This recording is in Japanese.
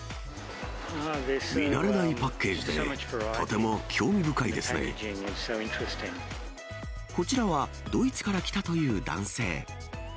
見慣れないパッケージで、こちらは、ドイツから来たという男性。